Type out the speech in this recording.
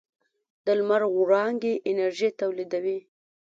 د لمر وړانګې انرژي تولیدوي.